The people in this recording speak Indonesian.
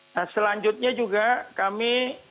nah selanjutnya juga kami